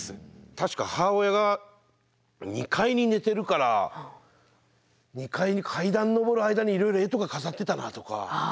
確か母親が２階に寝てるから２階に階段上る間にいろいろ絵とか飾ってたなとか。